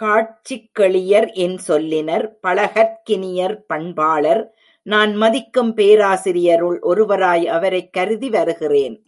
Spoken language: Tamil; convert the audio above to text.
காட்சிக்கெளியர் இன் சொல்லினர் பழகற்கினியர் பண்பாளர் நான் மதிக்கும் பேராசிரியருள் ஒருவராய் அவரைக் கருதிவருகிறேன்.